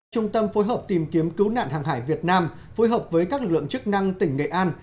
trung tâm phối hợp tìm kiếm cứu nạn hàng hải việt nam phối hợp với các lực lượng chức năng tỉnh nghệ an